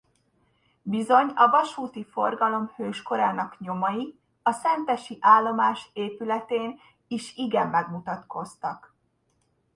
Bizony a vasúti forgalom hőskorának nyomai a szentesi állomás épületén is igen megmutatkoztak.